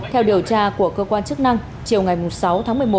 theo điều tra của cơ quan chức năng chiều ngày sáu tháng một mươi một